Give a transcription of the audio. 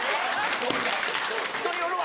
「人によるわ」